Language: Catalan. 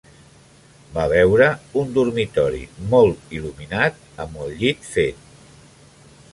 Va veure un dormitori molt il·luminat amb el llit fet.